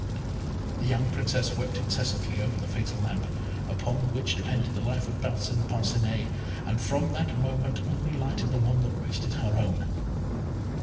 The young Princess wept incessantly over the fatal lamp, on which depended the life of Parcin Parcinet, and from that moment only lighted the one that wasted her own.